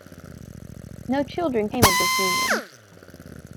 No children came of this union.